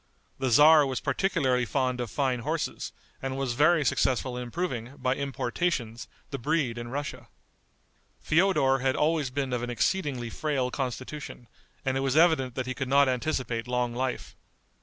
The tzar was particularly fond of fine horses, and was very successful in improving, by importations, the breed in Russia. Feodor had always been of an exceedingly frail constitution, and it was evident that he could not anticipate long life.